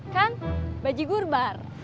kan baji gur bar